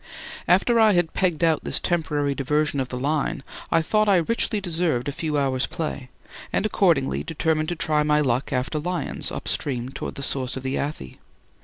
After I had pegged out this temporary diversion of the line, I thought I richly deserved a few hours' play, and accordingly determined to try my luck after lions up stream towards the source of the Athi.